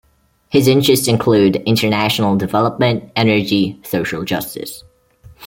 His interests include international development, energy, social justice.